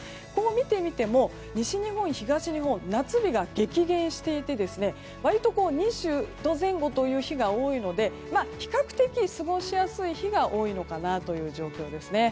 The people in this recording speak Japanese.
見てみても、西日本、東日本夏日が激減していて割と２０度前後という日が多いので比較的、過ごしやすい日が多いのかなという状況ですね。